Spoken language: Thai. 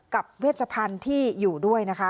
เวชพันธุ์ที่อยู่ด้วยนะคะ